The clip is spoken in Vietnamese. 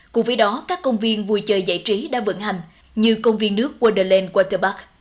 cùng với đó các công viên vui chơi giải trí đã vận hành như công viên nước wonderland waterpark